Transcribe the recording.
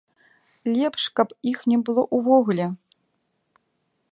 Лепш каб іх не было ўвогуле.